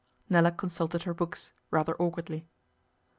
Nella consulted her books, rather awkwardly.